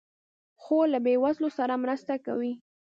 خور له بېوزلو سره مرسته کوي.